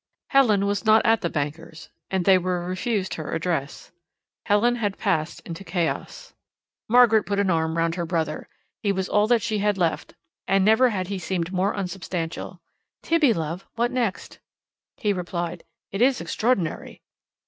Helen was not at the bankers, and they were refused her address. Helen had passed into chaos. Margaret put her arm round her brother. He was all that she had left, and never had he seemed more unsubstantial. "Tibby love, what next?" He replied: "It is extraordinary."